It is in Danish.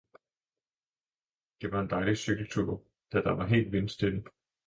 Det var en dejlig cykeltur, da der var helt vindstille.